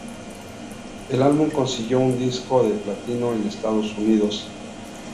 El álbum consiguió un disco de platino en Estados Unidos.